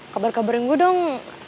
kabarin kabarin gue dong